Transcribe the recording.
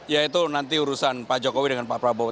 ya itu nanti urusan pak jokowi dengan pak prabowo